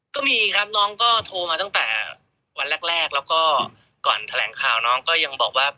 ก็มีครับน้องก็โทรมาตั้งแต่วันแรกแล้วก็ก่อนแถลงข่าวน้องก็ยังบอกว่า